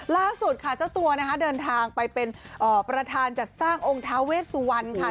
ล่าสุดค่ะเจ้าตัวนะคะเดินทางไปเป็นประธานจัดสร้างองค์ท้าเวสวรรณค่ะ